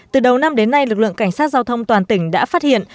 từ đầu năm đến nay lực lượng cảnh sát giao thông toàn tỉnh đã phát hiện